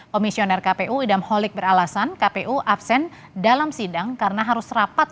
komisioner kpu idam holik beralasan kpu absen dalam sidang karena harus rapat